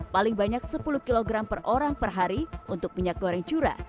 paling banyak sepuluh kg per orang per hari untuk minyak goreng curah